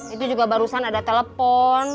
itu juga barusan ada telepon